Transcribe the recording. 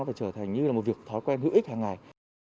nó phải trở thành như là một việc thói quen hữu ích hàng ngày